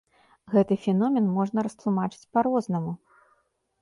Гэты феномен можна растлумачыць па-рознаму.